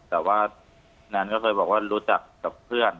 แต่ว่าแนนก็เคยบอกว่ารู้จักกับเพื่อน